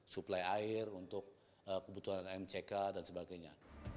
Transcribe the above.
suplai air untuk kebutuhan mck dan sebagainya